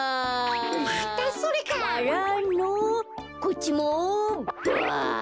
またそれか。からのこっちもばあ！